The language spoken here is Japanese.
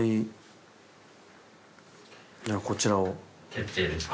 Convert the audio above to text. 決定ですか？